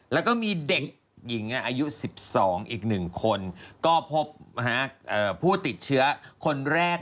แล้วก็มีเด็กหญิงอายุ๑๒อีก๑คนก็พบผู้ติดเชื้อคนแรก